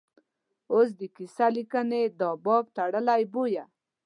اوس د کیسه لیکنې دا باب تړلی بویه.